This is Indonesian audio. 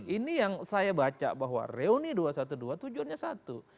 ini yang saya baca bahwa reuni dua ratus dua belas tujuannya satu